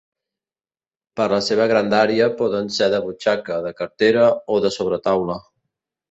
Per la seva grandària, poden ser de butxaca, de cartera, o de sobretaula.